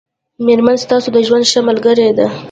مېرمن ستاسو د ژوند ښه ملګری دی